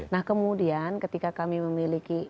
nah kemudian ketika kami memiliki